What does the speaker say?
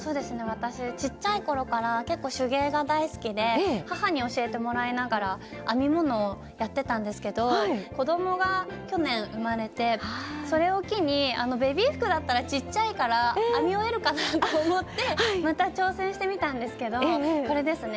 私ちっちゃい頃から結構手芸が大好きで母に教えてもらいながら編み物をやってたんですけど子供が去年生まれてそれを機にベビー服だったらちっちゃいから編み終えるかなと思ってまた挑戦してみたんですけどこれですね。